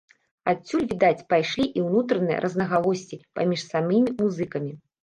Адсюль, відаць, пайшлі і ўнутраныя рознагалоссі паміж самімі музыкамі.